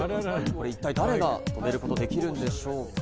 一体、誰が止めることができるのでしょうか？